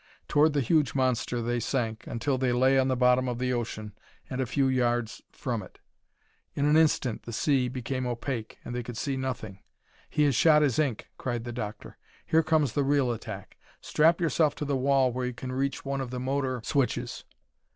Toward the huge monster they sank until they lay on the bottom of the ocean and a few yards from it. In an instant the sea became opaque and they could see nothing. "He has shot his ink!" cried the doctor. "Here comes the real attack. Strap yourself to the wall where you can reach one of the motor switches."